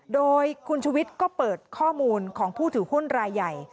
โดยคุณชุวิตก็เปิดข้อมูลของผู้ถือหุ้นรายใหญ่